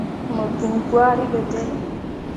Mo giŋ gwari ɓe dai.